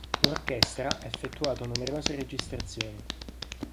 L'orchestra ha effettuato numerose registrazioni.